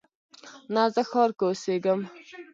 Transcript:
نه، زه ښار کې اوسیږم